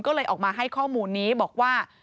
ก็เลยออกมาให้ข้อมูลนี้บอกว่า